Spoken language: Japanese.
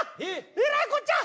えらいこっちゃ！